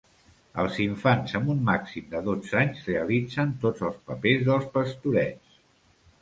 Els infants amb un màxim de dotze anys realitzen tots els papers dels pastorets.